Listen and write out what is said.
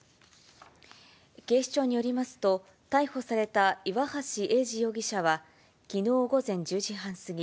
警視庁によりますと、逮捕された岩橋英司容疑者は、きのう午前１０時半過ぎ、